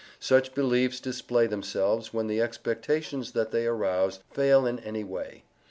Such beliefs display themselves when the expectations that they arouse fail in any way.